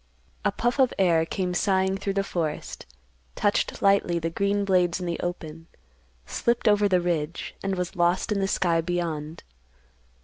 A puff of air came sighing through the forest, touched lightly the green blades in the open, slipped over the ridge, and was lost in the sky beyond.